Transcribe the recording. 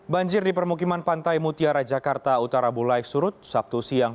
banjir di permukiman pantai mutiara jakarta utara bulai surut sabtu siang